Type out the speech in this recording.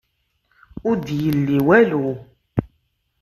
Ur d-yelli walu.